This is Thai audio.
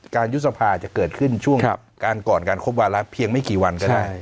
การยุทธภาจะเกิดขึ้นช่วงครับการก่อนการคบวารักษ์เพียงไม่กี่วันก็ได้